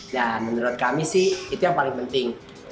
dan menurut kami sih itu yang paling penting